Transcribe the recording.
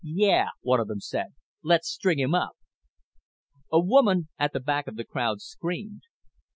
"Yeah," one of them said, "let's string him up." A woman at the back of the crowd screamed.